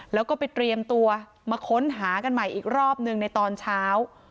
แล้วก็ไปเตรียมตัวมาค้นหากันใหม่อีกรอบหนึ่งในตอนเช้า